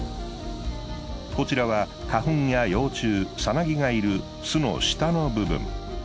こちらは花粉や幼虫サナギがいる巣の下の部分。